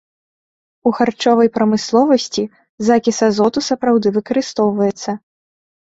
У харчовай прамысловасці закіс азоту сапраўды выкарыстоўваецца.